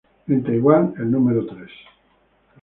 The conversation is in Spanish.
En Taiwan el número tres.